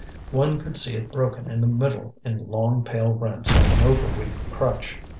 One could see it broken in the middle in long pale rents like an over weak crutch.